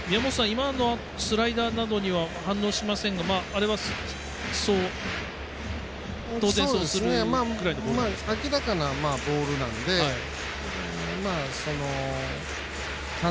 今のスライダーなどには反応しませんがあれは当然そうするぐらいのボールですか？